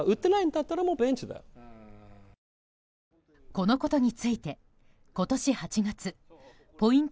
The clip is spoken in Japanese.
このことについて今年８月ポイント